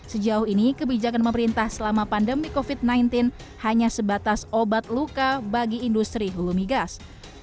sejauh ini kebijakan pemerintah selama pandemi covid sembilan belas hanya sebatas obat luka bagi industri hulu migas